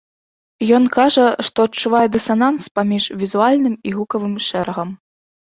Ён кажа, што адчувае дысананс паміж візуальным і гукавым шэрагам.